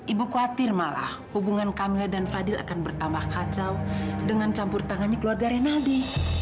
ibu khawatir malah hubungan kamil dan fadil akan bertambah kacau dengan campur tangannya keluarga renaldi